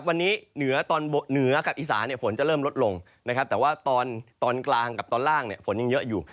วันนี้เหนือตอนเหนือกับอีสานฝนจะเริ่มลดลงนะครับแต่ว่าตอนกลางกับตอนล่างเนี่ยฝนยังเยอะอยู่